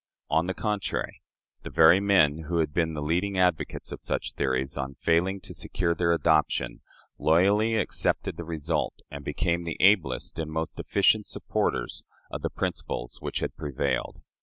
On the contrary, the very men who had been the leading advocates of such theories, on failing to secure their adoption, loyally accepted the result, and became the ablest and most efficient supporters of the principles which had prevailed.